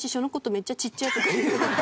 めっちゃちっちゃいとか言ってるって。